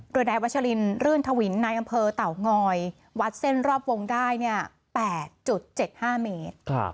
โดยนายวัชลินรื่นทวินนายอำเภอเต่างอยวัดเส้นรอบวงได้๘๗๕เมตร